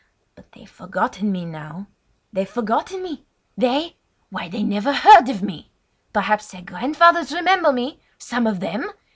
But they've forgotten me now! They've forgotten me! They? Why they never heard of me! Perhaps their grandfathers remember me, some of them!"